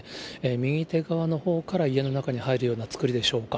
右手側のほうから家の中に入るような造りでしょうか。